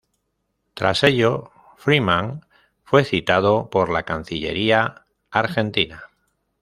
Tras ello Freeman fue citado por la Cancillería Argentina.